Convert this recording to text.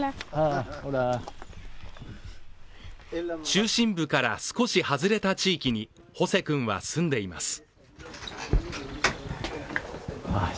中心部から少し外れた地域にホセ君は住んでいます。